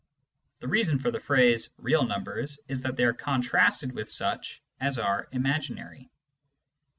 (The reason for the phrase " real numbers " is that they are contrasted with such as are " ima ginary.")